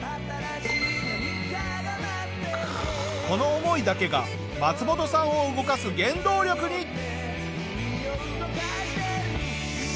この思いだけがマツモトさんを動かす原動力に！